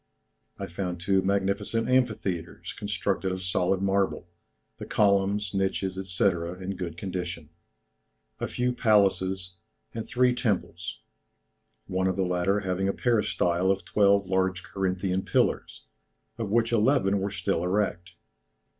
I found two magnificent amphitheatres constructed of solid marble, the columns, niches, &c., in good condition, a few palaces, and three temples; one of the latter having a peristyle of twelve large Corinthian pillars, of which eleven were still erect.